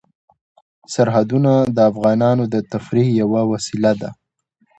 سرحدونه د افغانانو د تفریح یوه وسیله ده.